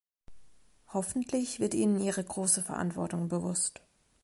Hoffentlich wird ihnen ihre große Verantwortung bewusst.